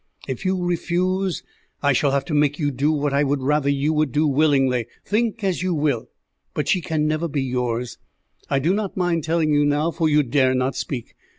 "If you refuse, I shall have to make you do what I would rather you would do willingly. Think as you will, but she can never be yours. I do not mind telling you now, for you dare not speak.